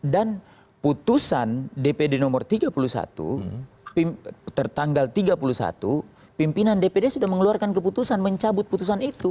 dan putusan dpd nomor tiga puluh satu tertanggal tiga puluh satu pimpinan dpd sudah mengeluarkan keputusan mencabut putusan itu